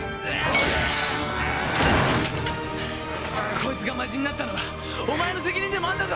こいつが魔人になったのはお前の責任でもあるんだぞ！